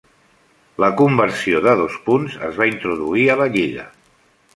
La conversió de dos punts es va introduir a la lliga.